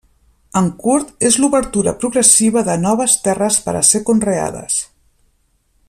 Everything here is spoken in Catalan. En curt, és l'obertura progressiva de noves terres per a ser conreades.